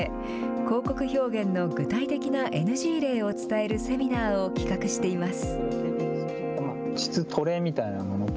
広告表現の具体的なＮＧ例を伝えるセミナーを企画しています。